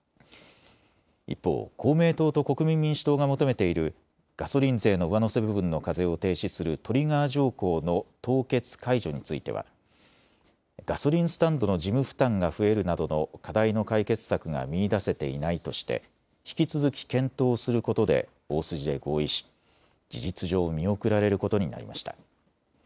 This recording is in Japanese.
一方、公明党と国民民主党が求めているガソリン税の上乗せ部分の課税を停止するトリガー条項の凍結解除についてはガソリンスタンドの事務負担が増えるなどの課題の解決策が見いだせていないとして引き続き検討することで大筋で合意し事実上、見送られることになりました。